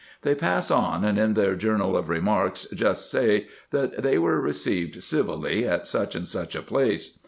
They pass on, and in their journal of remarks just say, that they were received civilly at such and such a place.